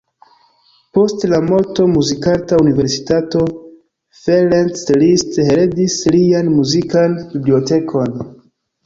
Post la morto Muzikarta Universitato Ferenc Liszt heredis lian muzikan bibliotekon.